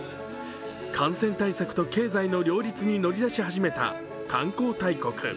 感染対策と経済の両立に乗り出し始めた観光大国。